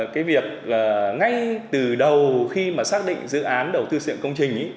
cái việc ngay từ đầu khi mà xác định dự án đầu tư xây dựng công trình